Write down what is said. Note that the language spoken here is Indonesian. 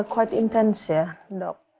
cukup intens ya dok